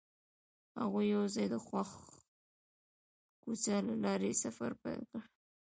هغوی یوځای د خوښ کوڅه له لارې سفر پیل کړ.